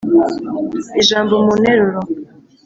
mpa ijambo mu nteruro.